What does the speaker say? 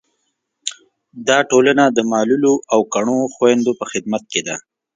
دا ټولنه د معلولو او کڼو خویندو په خدمت کې ده.